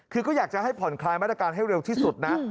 คือก็อยากจะให้ผ่อนคลายมาตรการให้เร็วที่สุดนะ